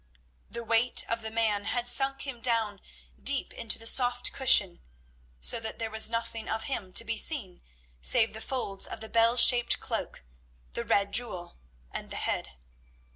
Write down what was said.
The weight of the man had sunk him down deep into the soft cushion, so that there was nothing of him to be seen save the folds of the bell shaped cloak, the red jewel, and the head.